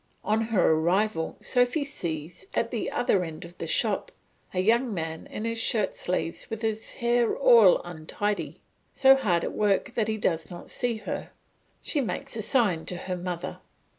On her arrival, Sophy sees, at the other end of the shop, a young man in his shirt sleeves, with his hair all untidy, so hard at work that he does not see her; she makes a sign to her mother.